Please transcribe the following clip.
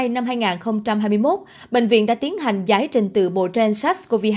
năm hai nghìn hai mươi một bệnh viện đã tiến hành giải trình tự bộ gen sars cov hai